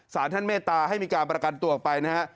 สารท่านเมตตาให้มีการประกันตัวออกไปนะฮะ